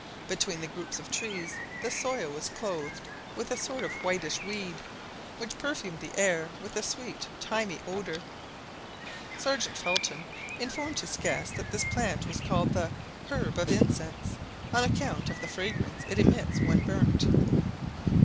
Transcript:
Between the groups of trees the soil was clothed with a sort of whitish weed, which perfumed the air with a sweet thymy odour. Sergeant Felton informed his guests that this plant was called the " herb of incense " on account of the fragrance it emits when burnt.